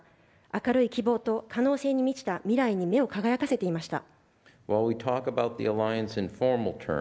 明るい希望と可能性に満ちた未来に目を輝かせていました。